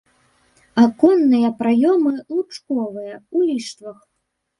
Аконныя праёмы лучковыя, у ліштвах.